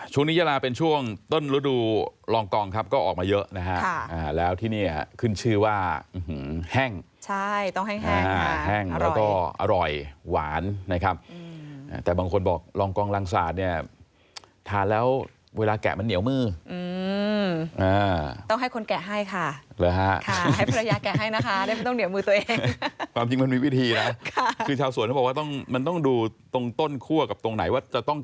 ช่วงนี้จะลาเป็นช่วงต้นฤดูรองกองครับก็ออกมาเยอะนะฮะแล้วที่นี่ขึ้นชื่อว่าแห้งใช่ต้องแห้งแล้วก็อร่อยหวานนะครับแต่บางคนบอกรองกองรังศาสตร์เนี่ยทานแล้วเวลาแกะมันเหนียวมือต้องให้คนแกะให้ค่ะหรือฮะค่ะให้ภรรยาแกะให้นะคะไม่ต้องเหนียวมือตัวเองค่ะค่ะคือชาวสวนบอกว่าต้องมันต้อง